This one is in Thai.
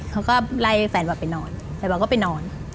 เขาก็ไล่แฟนวากไปนอน